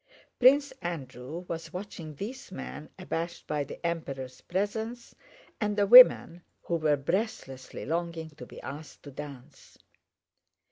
Prince Andrew was watching these men abashed by the Emperor's presence, and the women who were breathlessly longing to be asked to dance.